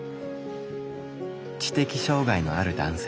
知的障害のある男性。